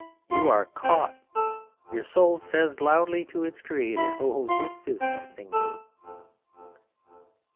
You are caught. Your soul says loudly to its Creator: "Oh, this is something new!"